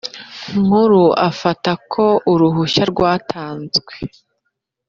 Nkuru bafata ko uruhushya rwatanzwe